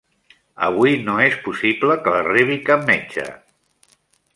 Avui no és possible que la rebi cap metge.